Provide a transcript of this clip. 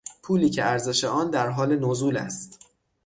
پولی که ارزش آن در حال نزول است